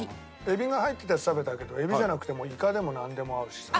エビが入ってたやつ食べたけどエビじゃなくてもイカでもなんでも合うしさ。